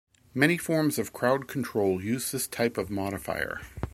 Many forms of crowd control use this type of modifier.